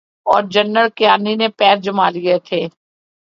اورجنرل کیانی نے پیر جمالیے تھے۔